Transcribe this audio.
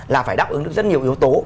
là phải đáp ứng được rất nhiều yếu tố